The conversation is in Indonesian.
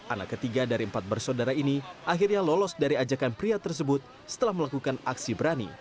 anak ketiga dari empat bersaudara ini akhirnya lolos dari ajakan pria tersebut setelah melakukan aksi berani